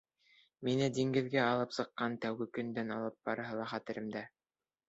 — Мине диңгеҙгә алып сыҡҡан тәүге көндән алып барыһы ла хәтеремдә.